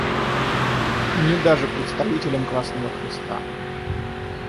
Ни даже представителям Красного Креста.